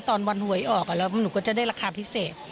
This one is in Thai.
ตอนวันหวยออกหนูจะได้ราคาพิเศษ